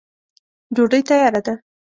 ډوډی تیاره ده.